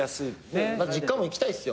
実家も行きたいっすよ。